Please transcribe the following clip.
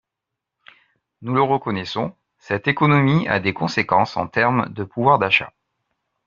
Nous le reconnaissons, cette économie a des conséquences en termes de pouvoir d’achat.